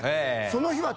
その日は。